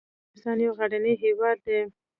افغانستان يو غرنی هېواد دی